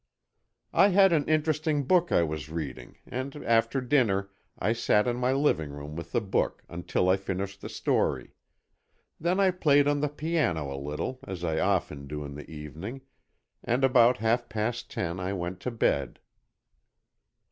"I had an interesting book I was reading and after dinner I sat in my living room with the book until I finished the story. Then I played on the piano a little, as I often do in the evening, and about half past ten I went to bed."